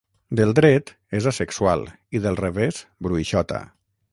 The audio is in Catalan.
Del dret és asexual i del revés bruixota.